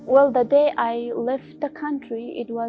ketika saya meninggalkan negara